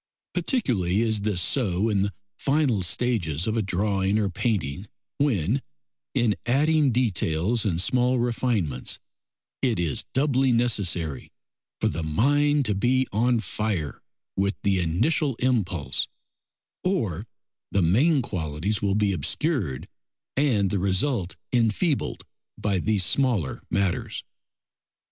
Particularly is this so in the final stages of a drawing or painting, when, in adding details and small refinements, it is doubly necessary for the mind to be on fire with the initial impulse, or the main qualities will be obscured and the result enfeebled by these smaller matters.